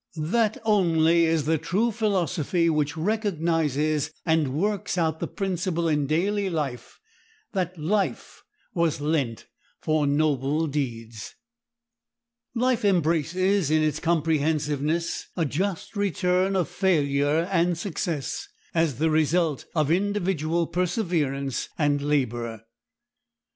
That only is the true philosophy which recognizes and works out the principle in daily life that— "Life was lent for noble deeds." Life embraces in its comprehensiveness a just return of failure and success as the result of individual perseverance and labor.